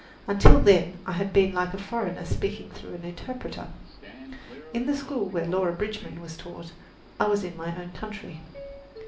Until then I had been like a foreigner speaking through an interpreter. In the school where Laura Bridgman was taught I was in my own country.